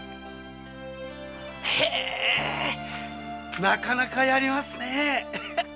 ヘエ−なかなかやりますねぇ。